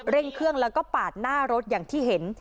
เร่งเครื่องแล้วก็ปาดหน้ารถอย่างที่เห็น